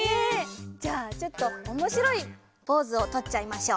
じゃあちょっとおもしろいポーズをとっちゃいましょう。